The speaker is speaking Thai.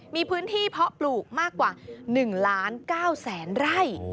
มีพื้นที่เพาะปลูกมากกว่า๑ล้าน๙แสนไร่